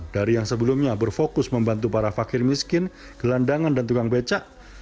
dari yang sebelumnya berfokus membantu para fakir miskin gelandangan dan tukang becak